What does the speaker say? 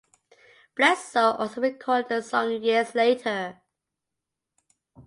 Bledsoe also recorded the song years later.